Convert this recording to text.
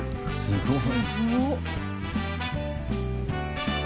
すごい！